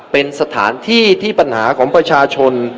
เป็นสถานที่ที่ปัญหาของประชาชน